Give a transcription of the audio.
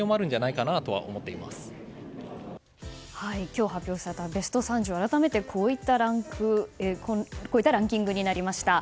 今日発表されたベスト３０は改めて、こういったランキングになりました。